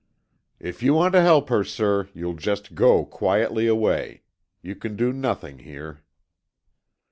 "If you want to help her, sir, you'll just go quietly away. You can do nothing here."